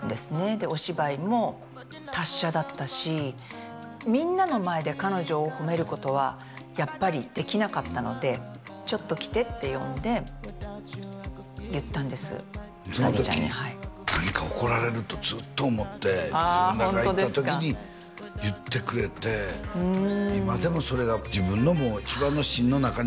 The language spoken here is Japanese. でお芝居も達者だったしみんなの前で彼女を褒めることはやっぱりできなかったので「ちょっと来て」って呼んで言ったんです沙莉ちゃんにはいその時「何か怒られる」とずっと思ってあホントですか自分らが行った時に言ってくれて「今でもそれが自分の一番の芯の中に」